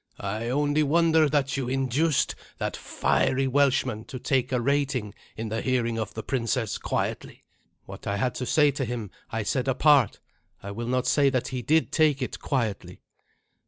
"I only wonder that you induced that fiery Welshman to take a rating in the hearing of the princess quietly." "What I had to say to him I said apart. I will not say that he did take it quietly."